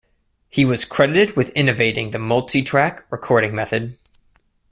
He was credited with innovating the multitrack recording method.